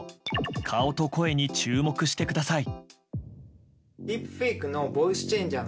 顔と声に注目してください。